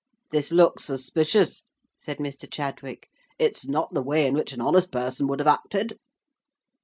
"This looks suspicious," said Mr. Chadwick. "It is not the way in which an honest person would have acted."